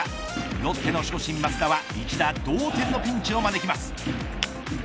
ロッテの守護神、益田は一打同点のピンチを招きます。